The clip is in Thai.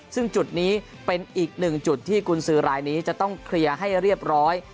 ซึ่งจุดนี้เป็นอีกหนึ่งจุดที่กุญสือรายนี้จะต้องเคลียร์ให้เรียบร้อย